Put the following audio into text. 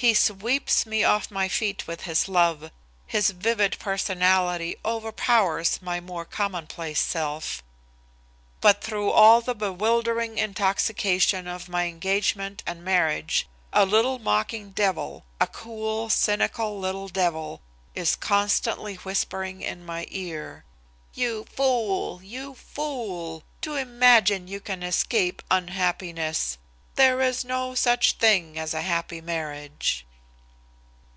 He sweeps me off my feet with his love, his vivid personality overpowers my more commonplace self, but through all the bewildering intoxication of my engagement and marriage a little mocking devil, a cool, cynical, little devil, is constantly whispering in my ear: "You fool, you fool, to imagine you can escape unhappiness! There is no such thing as a happy marriage!"